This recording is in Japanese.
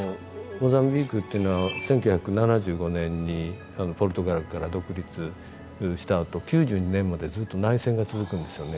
モザンビークっていうのは１９７５年にポルトガルから独立したあと９２年までずっと内戦が続くんですよね。